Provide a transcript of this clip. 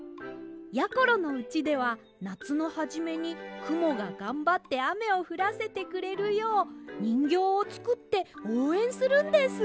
やころのうちではなつのはじめにくもががんばってあめをふらせてくれるようにんぎょうをつくっておうえんするんです。